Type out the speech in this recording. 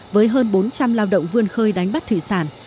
với hơn bốn trăm linh lao động vươn khơi đánh bắt thủy sản